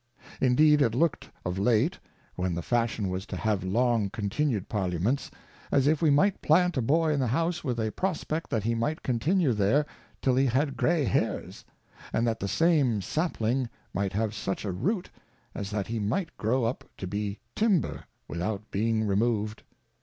Indeed it look'd of late, when the Fashion was to have long continu'd Parliaments, as if we might plant a Boy in the House with a Prospect that he might continue there till he had Gray Hairs : And that the same Sapling might have such a Root, as that he might grow up to be Timber without being remov'd.